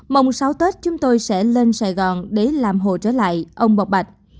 mong sáu tết chúng tôi sẽ lên sài gòn để làm hồ trở lại ông bọc bạch